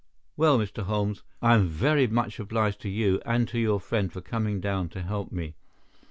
Well, Mr. Holmes, I am very much obliged to you and to your friend for coming down to help me.